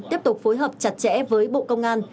tiếp tục phối hợp chặt chẽ với bộ công an